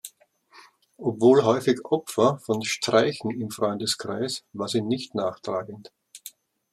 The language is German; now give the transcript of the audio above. Obwohl häufig Opfer von Streichen im Freundeskreis, war sie nicht nachtragend.